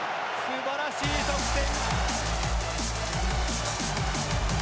すばらしい得点！